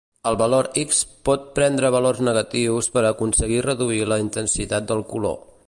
El valor x pot prendre valors negatius per a aconseguir reduir la intensitat del color.